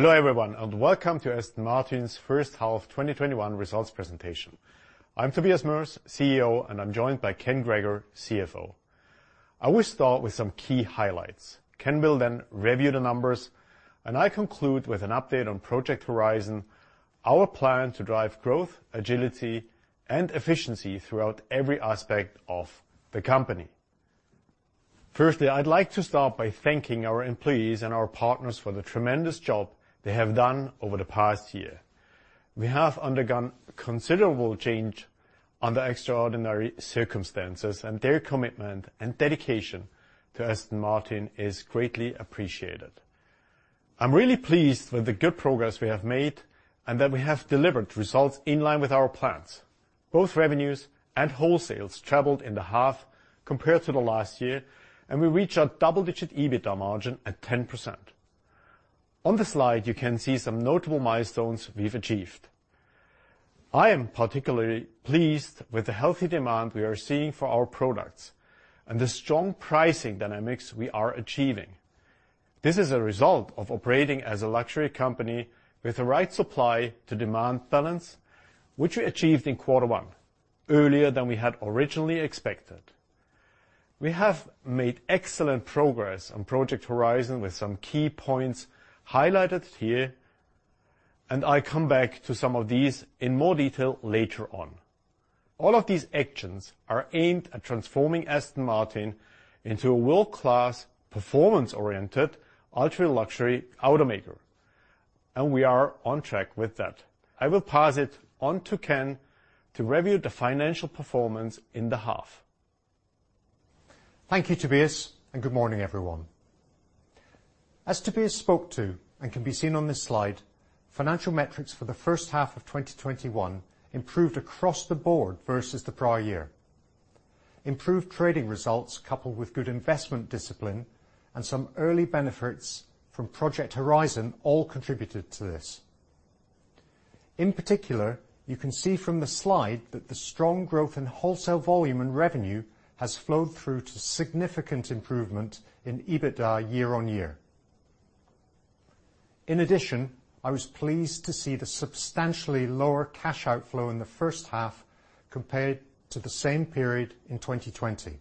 Hello everyone, welcome to Aston Martin's first half 2021 results presentation. I'm Tobias Moers, CEO, and I'm joined by Ken Gregor, CFO. I will start with some key highlights. Ken will then review the numbers, and I conclude with an update on Project Horizon, our plan to drive growth, agility, and efficiency throughout every aspect of the company. Firstly, I'd like to start by thanking our employees and our partners for the tremendous job they have done over the past year. We have undergone considerable change under extraordinary circumstances, and their commitment and dedication to Aston Martin is greatly appreciated. I'm really pleased with the good progress we have made, and that we have delivered results in line with our plans. Both revenues and wholesales tripled in the half compared to the last year, and we reach our double-digit EBITDA margin at 10%. On the slide, you can see some notable milestones we've achieved. I am particularly pleased with the healthy demand we are seeing for our products and the strong pricing dynamics we are achieving. This is a result of operating as a luxury company with the right supply to demand balance, which we achieved in quarter one, earlier than we had originally expected. We have made excellent progress on Project Horizon, with some key points highlighted here, and I come back to some of these in more detail later on. All of these actions are aimed at transforming Aston Martin into a world-class, performance-oriented, ultra-luxury automaker, and we are on track with that. I will pass it on to Ken to review the financial performance in the half. Thank you, Tobias, and good morning, everyone. As Tobias spoke to and can be seen on this slide, financial metrics for the first half of 2021 improved across the board versus the prior year. Improved trading results coupled with good investment discipline and some early benefits from Project Horizon all contributed to this. In particular, you can see from the slide that the strong growth in wholesale volume and revenue has flowed through to significant improvement in EBITDA year-on-year. In addition, I was pleased to see the substantially lower cash outflow in the first half compared to the same period in 2020.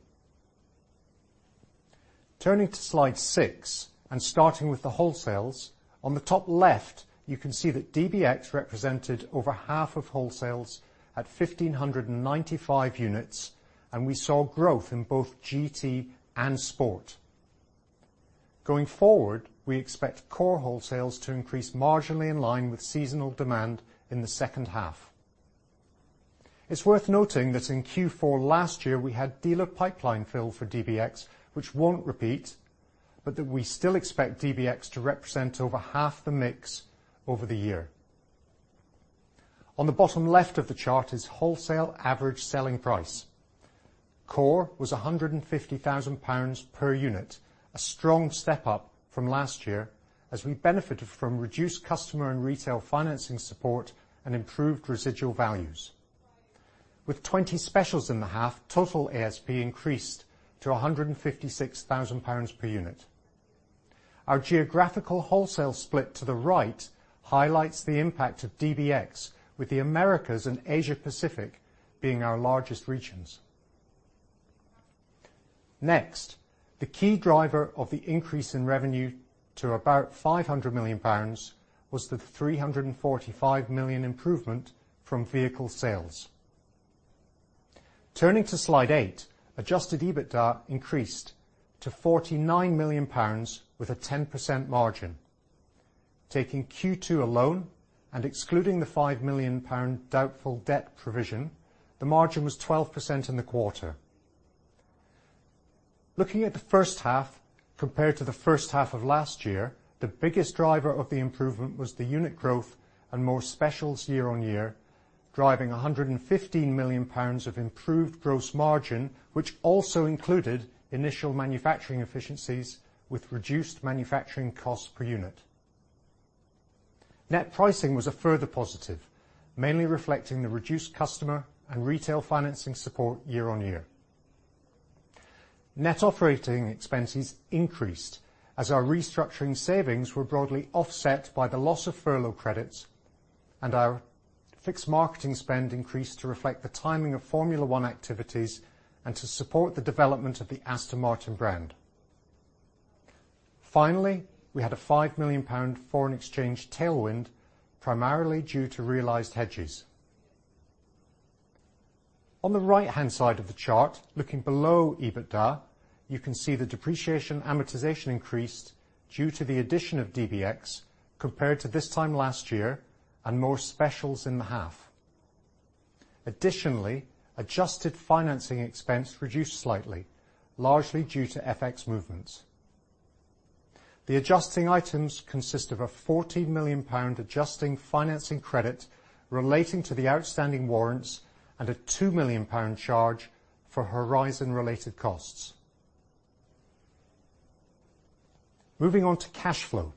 Turning to Slide 6 and starting with the wholesales, on the top left, you can see that DBX represented over half of wholesales at 1,595 units, and we saw growth in both GT and Sport. Going forward, we expect core wholesales to increase marginally in line with seasonal demand in the second half. It's worth noting that in Q4 last year, we had dealer pipeline fill for DBX, which won't repeat, but that we still expect DBX to represent over half the mix over the year. On the bottom left of the chart is wholesale average selling price. Core was 150,000 pounds per unit, a strong step up from last year as we benefited from reduced customer and retail financing support and improved residual values. With 20 specials in the half, total ASP increased to 156,000 pounds per unit. Our geographical wholesale split to the right highlights the impact of DBX with the Americas and Asia Pacific being our largest regions. Next, the key driver of the increase in revenue to about 500 million pounds was the 345 million improvement from vehicle sales. Turning to Slide 8, adjusted EBITDA increased to 49 million pounds with a 10% margin. Taking Q2 alone and excluding the 5 million pound doubtful debt provision, the margin was 12% in the quarter. Looking at the first half compared to the first half of last year, the biggest driver of the improvement was the unit growth and more specials year-on-year, driving 115 million pounds of improved gross margin, which also included initial manufacturing efficiencies with reduced manufacturing cost per unit. Net pricing was a further positive, mainly reflecting the reduced customer and retail financing support year-on-year. Net operating expenses increased as our restructuring savings were broadly offset by the loss of furlough credits and our fixed marketing spend increased to reflect the timing of Formula 1 activities and to support the development of the Aston Martin brand. Finally, we had a 5 million pound foreign exchange tailwind, primarily due to realized hedges. On the right-hand side of the chart, looking below EBITDA, you can see the depreciation amortization increased due to the addition of DBX compared to this time last year and more specials in the half. Additionally, adjusted financing expense reduced slightly, largely due to FX movements. The adjusting items consist of a 14 million pound adjusting financing credit relating to the outstanding warrants and a 2 million pound charge for Horizon-related costs. Moving on to cash flow.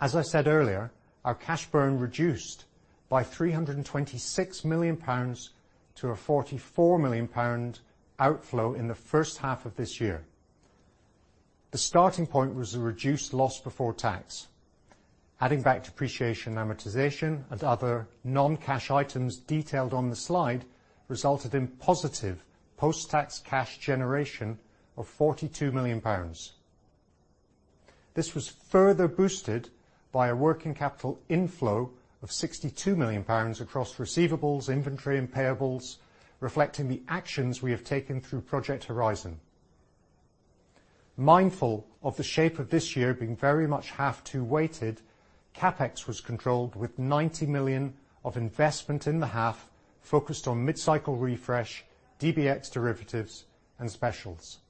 As I said earlier, our cash burn reduced by 326 million pounds to a 44 million pounds outflow in the first half of this year. The starting point was a reduced loss before tax. Adding back depreciation, amortization, and other non-cash items detailed on the slide resulted in positive post-tax cash generation of 42 million pounds. This was further boosted by a working capital inflow of 62 million pounds across receivables, inventory, and payables, reflecting the actions we have taken through Project Horizon. Mindful of the shape of this year being very much half two weighted, CapEx was controlled with 90 million of investment in the half, focused on mid-cycle refresh, DBX derivatives, and specials.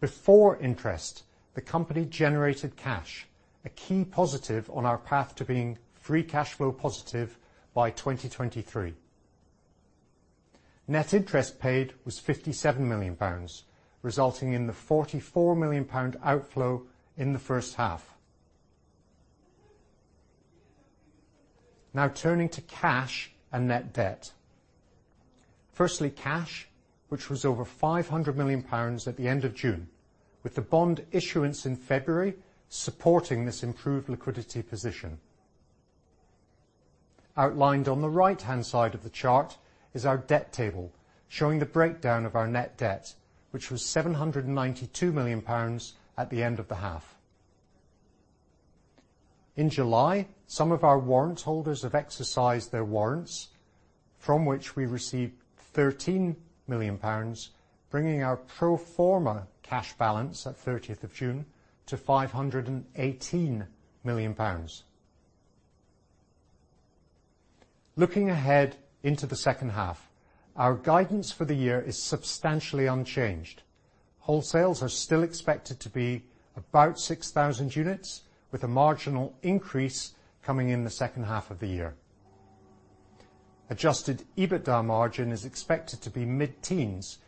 Before interest, the company generated cash, a key positive on our path to being free cash flow positive by 2023. Net interest paid was 57 million pounds, resulting in the 44 million pound outflow in the first half. Turning to cash and net debt. Firstly, cash, which was over 500 million pounds at the end of June, with the bond issuance in February supporting this improved liquidity position. Outlined on the right-hand side of the chart is our debt table, showing the breakdown of our net debt, which was 792 million pounds at the end of the half. In July, some of our warrant holders have exercised their warrants, from which we received 13 million pounds, bringing our pro forma cash balance at 30th of June to 518 million pounds. Looking ahead into the second half, our guidance for the year is substantially unchanged. Wholesales are still expected to be about 6,000 units, with a marginal increase coming in the second half of the year. Adjusted EBITDA margin is expected to be mid-teens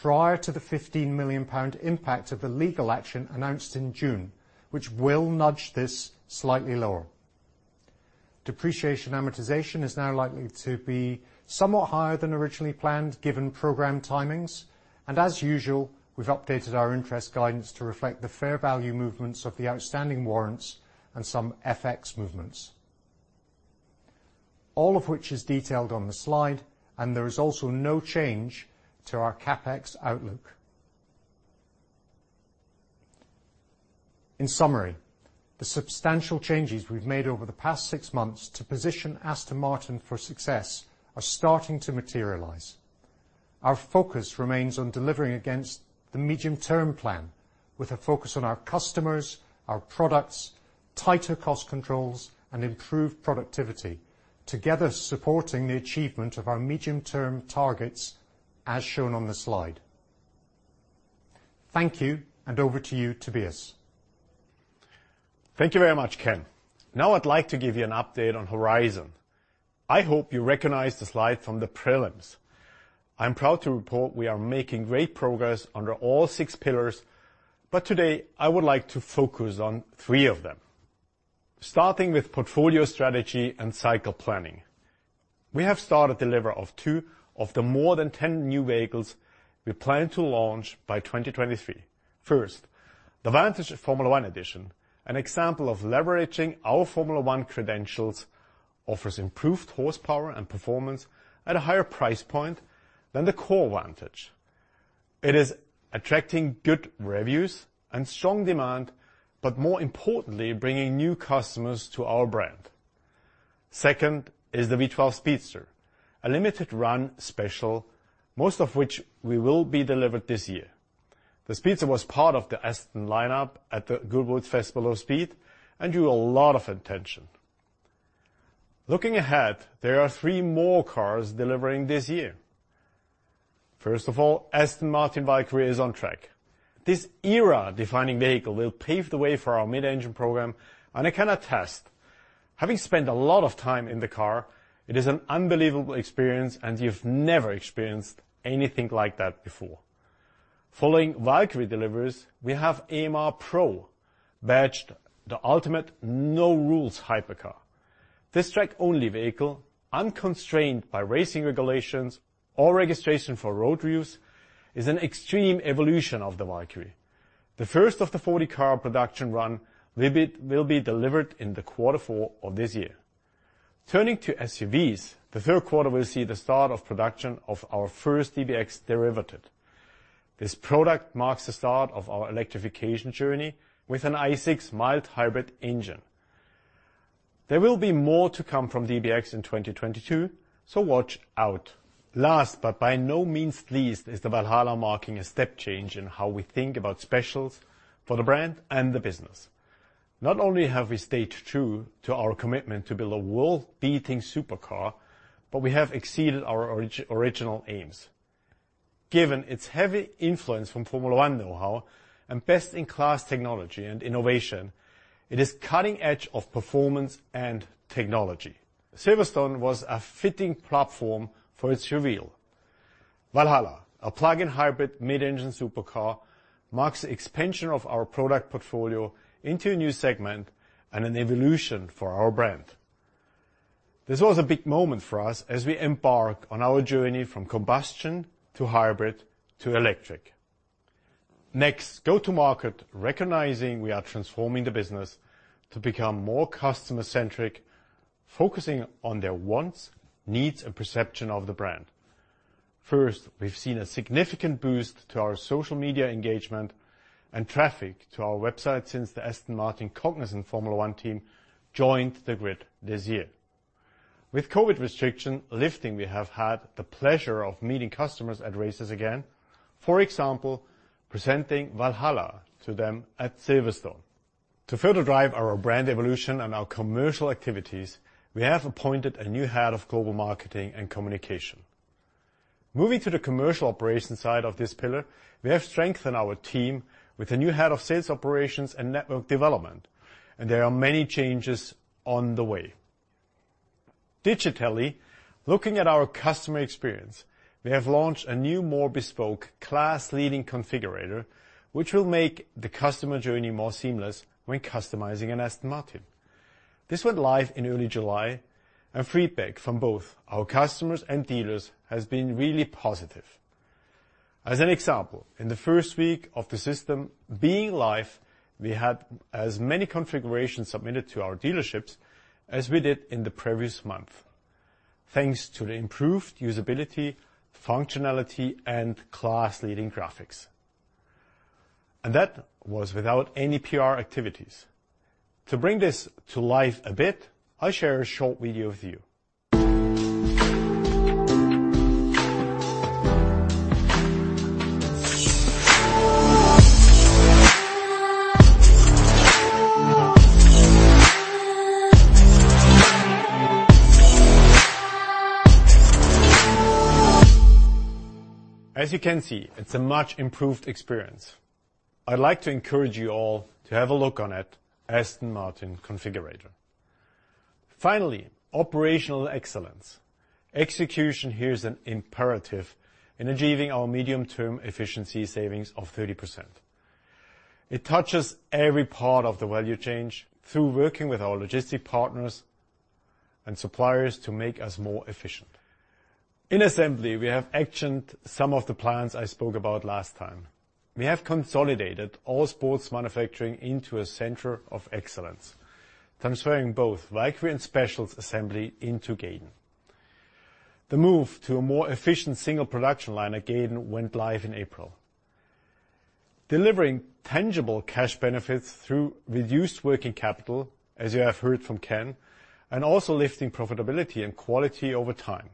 prior to the 15 million pound impact of the legal action announced in June, which will nudge this slightly lower. Depreciation amortization is now likely to be somewhat higher than originally planned, given program timings. As usual, we've updated our interest guidance to reflect the fair value movements of the outstanding warrants and some FX movements, all of which is detailed on the slide. There is also no change to our CapEx outlook. In summary, the substantial changes we've made over the past six months to position Aston Martin for success are starting to materialize. Our focus remains on delivering against the medium-term plan with a focus on our customers, our products, tighter cost controls, and improved productivity, together supporting the achievement of our medium-term targets as shown on the slide. Thank you, and over to you, Tobias. Thank you very much, Ken. I'd like to give you an update on Horizon. I hope you recognize the slide from the prelims. I'm proud to report we are making great progress under all six pillars. Today, I would like to focus on three of them. Starting with portfolio strategy and cycle planning. We have started delivery of two of the more than 10 new vehicles we plan to launch by 2023. First, the Vantage of Formula 1 edition, an example of leveraging our Formula 1 credentials, offers improved horsepower and performance at a higher price point than the core Vantage. It is attracting good reviews and strong demand, but more importantly, bringing new customers to our brand. Second is the V12 Speedster, a limited run special, most of which we will be delivered this year. The Speedster was part of the Aston lineup at the Goodwood Festival of Speed and drew a lot of attention. Looking ahead, there are three more cars delivering this year. First of all, Aston Martin Valkyrie is on track. This era-defining vehicle will pave the way for our mid-engine program, and I can attest, having spent a lot of time in the car, it is an unbelievable experience, and you've never experienced anything like that before. Following Valkyrie deliveries, we have AMR Pro, badged the ultimate no-rules hypercar. This track-only vehicle, unconstrained by racing regulations or registration for road use, is an extreme evolution of the Valkyrie. The first of the 40-car production run will be delivered in the quarter four of this year. Turning to SUVs, the third quarter will see the start of production of our first DBX derivative. This product marks the start of our electrification journey with an I6 mild hybrid engine. There will be more to come from DBX in 2022. Watch out. Last but by no means least is the Valhalla marking a step change in how we think about specials for the brand and the business. Not only have we stayed true to our commitment to build a world-beating supercar, but we have exceeded our original aims. Given its heavy influence from Formula 1 know-how and best-in-class technology and innovation, it is cutting edge of performance and technology. Silverstone was a fitting platform for its reveal. Valhalla, a plug-in hybrid mid-engine supercar, marks the expansion of our product portfolio into a new segment and an evolution for our brand. This was a big moment for us as we embark on our journey from combustion to hybrid to electric. Go to market recognizing we are transforming the business to become more customer-centric, focusing on their wants, needs, and perception of the brand. We've seen a significant boost to our social media engagement and traffic to our website since the Aston Martin Cognizant Formula 1 Team joined the grid this year. With COVID restrictions lifting, we have had the pleasure of meeting customers at races again. For examble, presenting Valhalla to them at Silverstone. Further drive our brand evolution and our commercial activities, we have appointed a new head of global marketing and communication. Moving to the commercial operations side of this pillar, we have strengthened our team with a new head of sales operations and network development, and there are many changes on the way. Digitally, looking at our customer experience, we have launched a new, more bespoke class-leading configurator, which will make the customer journey more seamless when customizing an Aston Martin. This went live in early July, and feedback from both our customers and dealers has been really positive. As an example, in the first week of the system being live, we had as many configurations submitted to our dealerships as we did in the previous month, thanks to the improved usability, functionality, and class-leading graphics. That was without any PR activities. To bring this to life a bit, I'll share a short video with you. As you can see, it's a much improved experience. I'd like to encourage you all to have a look on it, Aston Martin Configurator. Finally, operational excellence. Execution here is an imperative in achieving our medium-term efficiency savings of 30%. It touches every part of the value chain through working with our logistic partners and suppliers to make us more efficient. In assembly, we have actioned some of the plans I spoke about last time. We have consolidated all sports manufacturing into a center of excellence, transferring both Valkyrie and specials assembly into Gaydon. The move to a more efficient single production line at Gaydon went live in April, delivering tangible cash benefits through reduced working capital, as you have heard from Ken, and also lifting profitability and quality over time.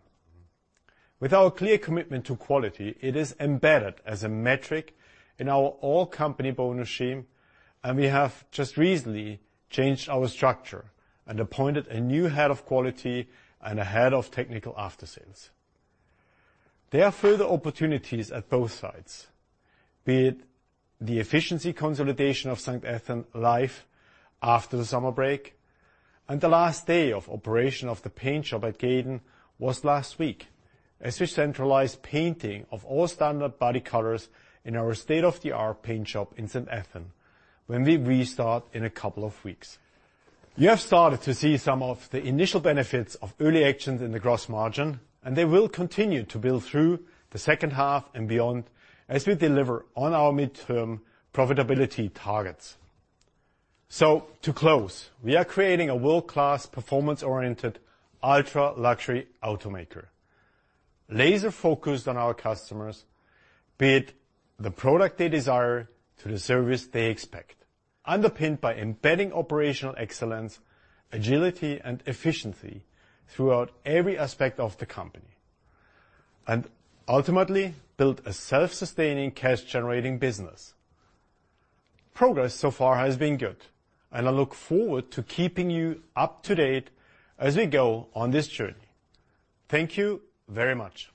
With our clear commitment to quality, it is embedded as a metric in our all-company bonus scheme, and we have just recently changed our structure and appointed a new head of quality and a head of technical aftersales. There are further opportunities at both sites, be it the efficiency consolidation of Saint Athan live after the summer break, and the last day of operation of the paint shop at Gaydon was last week, as we centralized painting of all standard body colors in our state-of-the-art paint shop in Saint Athan when we restart in a couple of weeks. You have started to see some of the initial benefits of early actions in the gross margin, and they will continue to build through the second half and beyond as we deliver on our midterm profitability targets. To close, we are creating a world-class, performance-oriented, ultra-luxury automaker laser-focused on our customers, be it the product they desire to the service they expect, underpinned by embedding operational excellence, agility, and efficiency throughout every aspect of the company, and ultimately build a self-sustaining cash-generating business. Progress so far has been good, and I look forward to keeping you up to date as we go on this journey. Thank you very much.